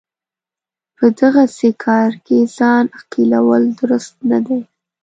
په دغسې کار کې ځان ښکېلول درست نه دی.